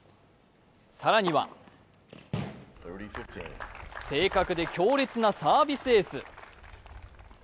更には正確で強烈なサービスエース。